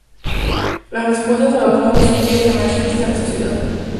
Las respuestas a los nuevos desafíos emergentes de la sociedad.